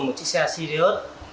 một chiếc xe sirius